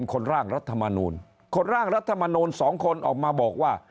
คนร่างรัฐมนูลคนร่างรัฐมนูล๒คนออกมาบอกว่า